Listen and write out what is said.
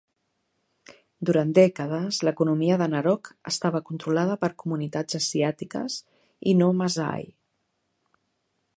Durant dècades, l'economia de Narok estava controlada per comunitats asiàtiques i no Maasai.